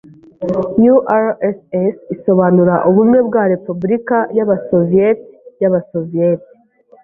URSS isobanura "Ubumwe bwa Repubulika y'Abasoviyeti y'Abasoviyeti".